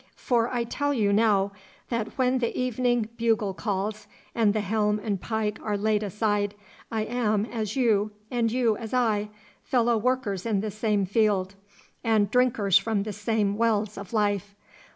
For I tell you now that when the evening bugle calls, and the helm and pike are laid aside, I am as you and you as I, fellow workers in the same field, and drinkers from the same wells of life.